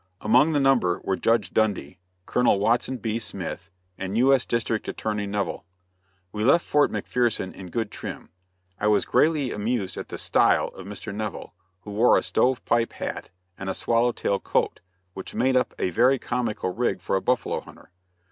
Among the number were Judge Dundy, Colonel Watson B. Smith, and U.S. District Attorney Neville. We left Fort McPherson in good trim. I was greatly amused at the "style" of Mr. Neville, who wore a stove pipe hat and a swallow tail coat, which made up a very comical rig for a buffalo hunter.